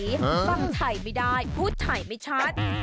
ฟังถ่ายไม่ได้พูดฉายไม่ชัด